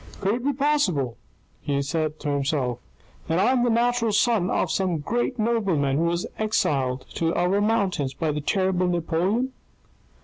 " Could it be possible," he said to himself, " that I am the natural son of some great nobleman who was exiled to our mountains by the terrible Napoleon